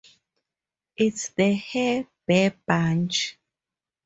It's the Hair Bear Bunch!